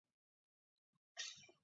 开始装橘子